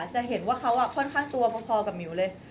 จะเห็นว่าเขาค่อนข้างตัวพอกับหมิวเลย